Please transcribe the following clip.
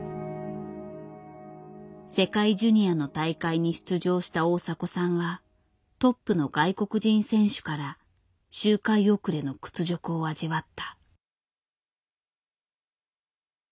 世界ジュニアの大会に出場した大迫さんはトップの外国人選手から周回遅れの屈辱を味わった。